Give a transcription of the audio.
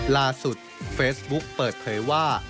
ลาสุดเฟซบุ๊กยอมรับว่า